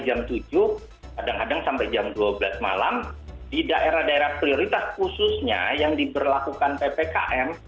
jam tujuh kadang kadang sampai jam dua belas malam di daerah daerah prioritas khususnya yang diberlakukan ppkm